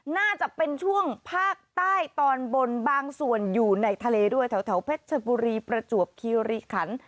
น่าจะเป็นช่วงภาคใต้ตอนบนบางส่วนอยู่ในทะเลด้วยแถวเพชรชบุรีประจวบคีรีขัน